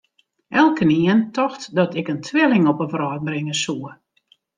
Elkenien tocht dat ik in twilling op 'e wrâld bringe soe.